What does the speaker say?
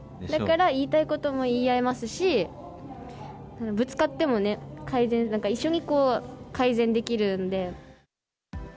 だから、言いたいことも言い合えますし、ぶつかってもね、改善、一緒に改善できるんで。